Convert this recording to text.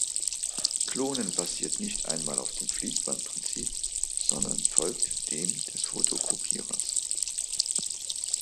Klonen basiert nicht einmal auf dem Fließbandprinzip, sondern folgt dem des Fotokopierers.